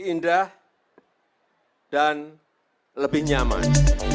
indah dan lebih nyaman